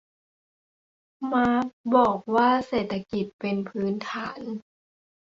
มาร์กซ์บอกว่าเศรษฐกิจเป็นฐาน